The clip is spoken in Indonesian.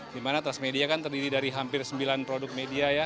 dimana transmedia kan terdiri dari hampir sembilan produk media ya